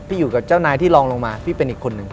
อยู่กับเจ้านายที่ลองลงมาพี่เป็นอีกคนนึง